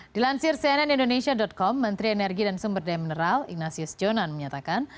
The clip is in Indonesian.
dilansir cnn indonesia com menteri energi dan sumber daya mineral ignatius jonan menyatakan